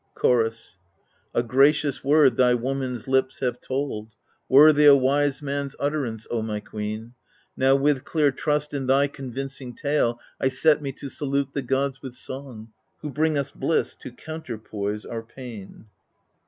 Chorus A gracious word thy woman's lips have told, Worthy a wise man's utterance, O my queen ; Now with clear trust in thy convincing tale I set me to salute the gods with song, Who bring us bliss to counterpoise our pain.